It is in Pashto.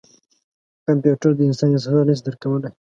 کمپیوټر د انسان احساسات نه شي درک کولای.